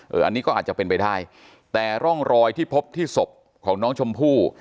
อันนี้ก็อาจจะเป็นไปได้แต่ร่องรอยที่พบที่ศพของน้องชมพู่